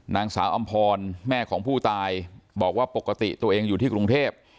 นางสาวอำพรแม่ของผู้ตายบอกว่าปกติตัวเองอยู่ที่กรุงเทพ